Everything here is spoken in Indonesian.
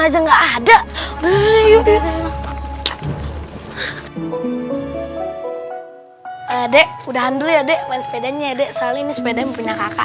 aja nggak ada udah yuk deh udah ando ya dek main sepedanya dek soalnya ini sepeda yang punya kakak